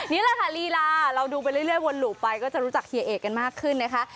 นี่แหละค่ะลีลาเราดูไปเรื่อยวนหลู่ไปก็จะรู้จักเฮียเอกกันมากขึ้นนะคะ